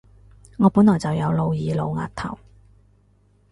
我本來就有露耳露額頭